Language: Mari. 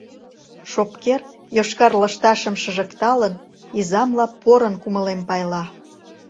Шопкер, йошкар лышташым шыжыкталын, изамла порын кумылем пайла.